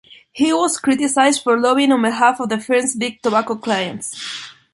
He was criticized for lobbying on behalf of the firm's Big Tobacco clients.